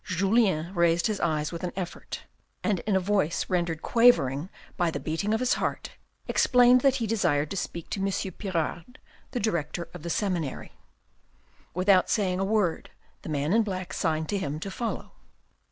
Julien raised his eyes with an effort, and in a voice rendered quavering by the beating of his heart explained that he desired to speak to M. Pirard, the director of the Seminary. Without saying a word the man in black signed to him to follow.